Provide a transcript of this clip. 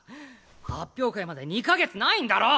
発表会まで２か月ないんだろ？